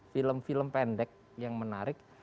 film film pendek yang menarik